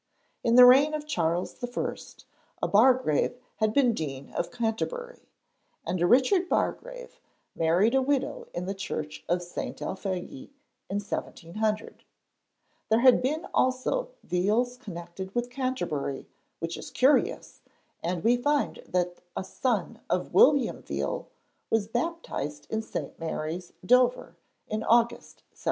In the reign of Charles I. a Bargrave had been Dean of Canterbury, and a Richard Bargrave married a widow in the church of St. Alphege in 1700. There had been also Veals connected with Canterbury, which is curious, and we find that a son of William Veal was baptised in St. Mary's, Dover, in August 1707.